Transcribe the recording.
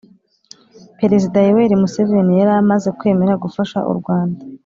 perezida yoweri museveni yari amaze kwemera gufasha u rwanda